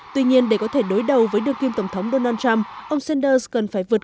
tuy nhiên để có thể đối đầu với đương kim tổng thống donald trump ông sanders cần phải vượt